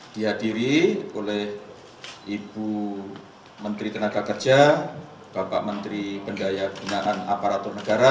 dihadiri oleh ibu menteri tenaga kerja bapak menteri pendaya kebenaran aparat